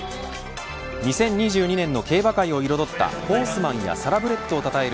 ２０２２年の競馬界を彩ったホースマンやサラブレットをたたえる